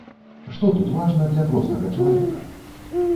Што тут важна для простага чалавека?